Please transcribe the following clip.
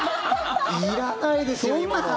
いらないですよ、今の。